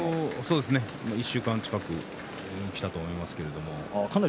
１週間近くきたと思います。